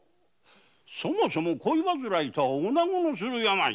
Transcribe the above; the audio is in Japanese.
そもそも恋煩いとは女の病じゃ。